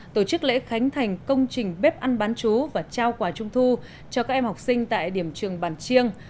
tổ chức lễ khánh thành công trình bếp ăn bán chú và trao quà trung thu cho các em học sinh tại điểm trường bản chiêng